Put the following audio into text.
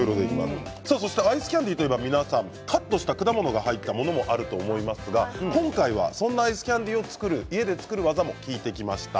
アイスキャンディーといえばカットした果物が入ったものもあると思いますが今回は、そんなアイスキャンディーを作る家で作る技も聞いてきました。